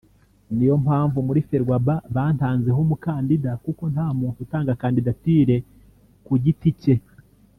niyo mpamvu muri Ferwaba bantanzeho umukandida kuko nta muntu utanga kandidatire ku giti cye